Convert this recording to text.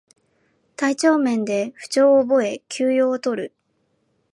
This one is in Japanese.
体調面で不調を覚え休養をとる